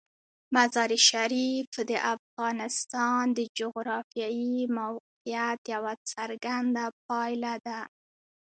مزارشریف د افغانستان د جغرافیایي موقیعت یوه څرګنده پایله ده.